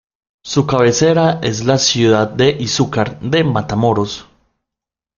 Su cabecera es la ciudad de Izúcar de Matamoros.